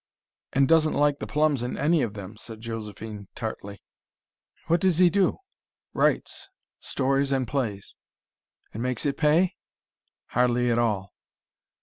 "And doesn't like the plums in any of them," said Josephine tartly. "What does he do?" "Writes stories and plays." "And makes it pay?" "Hardly at all.